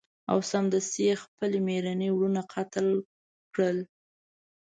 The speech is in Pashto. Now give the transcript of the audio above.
او سمدستي یې خپل میرني وروڼه قتل کړل.